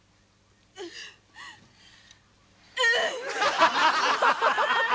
うん！